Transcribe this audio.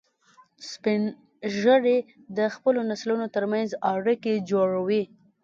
سپین ږیری د خپلو نسلونو تر منځ اړیکې جوړوي